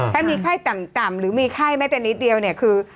ถ้ามีไข้ต่ำหรือมีไข้แม้แต่นิดเดียวเนี่ยคือ